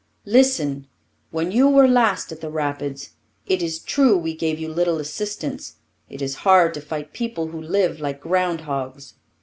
Listen! When you were last at the Rapids, it is true we gave you little assistance. It is hard to fight people who live like ground hogs.